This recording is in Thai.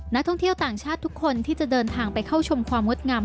นักท่องเที่ยวต่างชาติทุกคนที่จะเดินทางไปเข้าชมความงดงาม